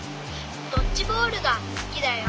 ドッジボールがすきだよ。